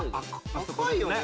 赤いよね？